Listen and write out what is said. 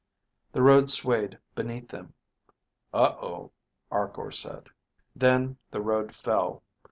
The road swayed beneath them. "Uh oh," Arkor said. Then the road fell.